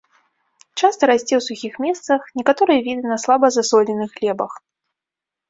Часта расце ў сухіх месцах, некаторыя віды на слаба засоленых глебах.